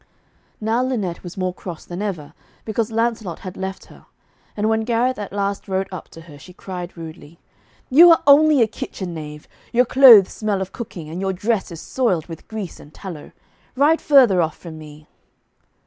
Now Lynette was more cross than ever because Lancelot had left her, and when Gareth at last rode up to her, she cried rudely, 'You are only a kitchen knave. Your clothes smell of cooking, and your dress is soiled with grease and tallow. Ride further off from me.'